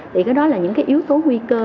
thì cái đó là những yếu tố nguy cơ